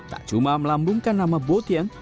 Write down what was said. tak cuma melambungkan nama botian